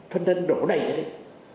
phân nân đổ đầy ở đây